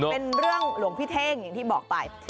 เป็นเรื่องหลวงพี่เท่งอย่างที่บอกไป